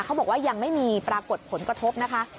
บอกว่ายังไม่มีปรากฏผลกระทบนะคะ